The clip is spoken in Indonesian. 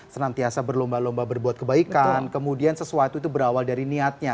senantiasa berlomba lomba berbuat kebaikan kemudian sesuatu itu berawal dari niatnya